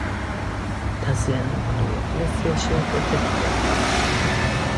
დაზიანებული ეკლესია შეუკეთებიათ.